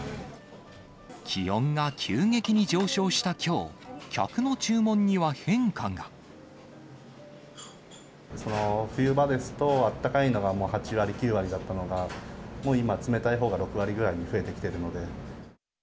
気温が急激に上昇したきょう、冬場ですと、あったかいのがもう８割９割だったのが、もう今は冷たいほうが６割ぐらいに増えてきてるので。